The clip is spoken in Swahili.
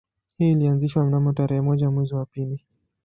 Hii ilianzishwa mnamo tarehe moja mwezi wa pili